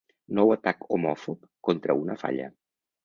Nou atac homòfob contra una falla.